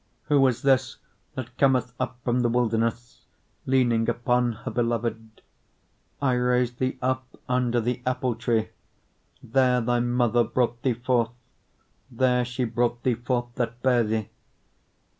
8:5 Who is this that cometh up from the wilderness, leaning upon her beloved? I raised thee up under the apple tree: there thy mother brought thee forth: there she brought thee forth that bare thee.